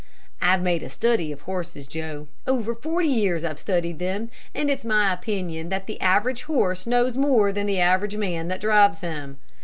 "I've made a study of horses, Joe. Over forty years I've studied them, and it's my opinion that the average horse knows more than the average man that drives him.